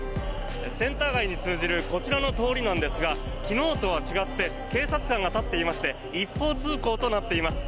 センター街に通じるこちらの通りなんですが昨日とは違って警察官が立っていまして一方通行となっています。